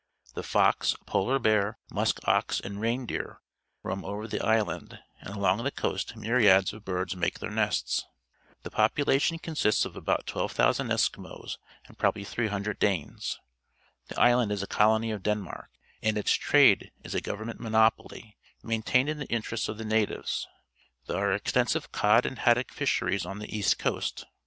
The fox, polar bear, musk ox, and reindeer roam over the island, and along the coast myriads of birds make their nests. The population consists of about 12,000 Eskimos and probabl}^ 300 Danes. The island is a colony of Denmark, and its trade is a govern ment monopoly, maintained in the interests of the natives. There are extensive cod and haddock fisheries on the east coast.